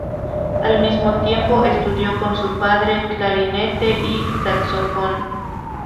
Al mismo tiempo, estudió con su padre clarinete y saxofón.